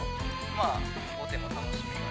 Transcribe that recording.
「まあ後手の楽しみが」。